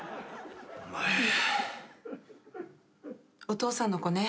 お父さんの子ね。